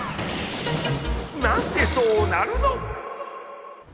なんでそなるのっ！